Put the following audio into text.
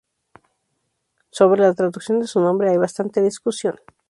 Sobre la traducción de su nombre hay bastante discusión.